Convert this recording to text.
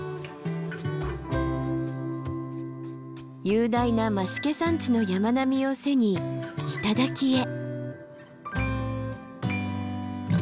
雄大な増毛山地の山並みを背に頂へ。